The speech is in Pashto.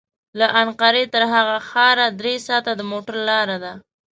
له انقره تر هغه ښاره درې ساعته د موټر لاره ده.